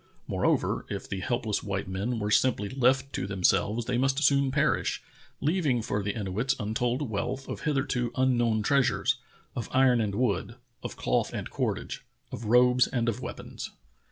Moreover, if the helpless white men were simply left to themselves they must soon perish, leaving for the Inuits untold wealth of hitherto un known treasures, — of iron and wood, of cloth and cord age, of robes and of weapons.